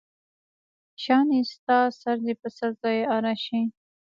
شانې ستا سر دې په سل ځایه اره شي.